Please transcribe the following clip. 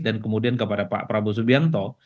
dan kemudian kepada pak prabowo subianto